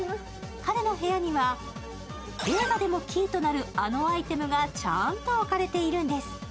彼の部屋には映画でもキーとなるあのアイテムがちゃんと置かれているんです。